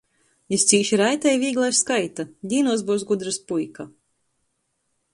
Jis cīši raitai i vīglai skaita! Dīnuos byus gudrys puika!